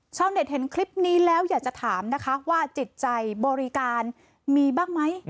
ชาวเน็ตเห็นคลิปนี้แล้วอยากจะถามนะคะว่าจิตใจบริการมีบ้างไหม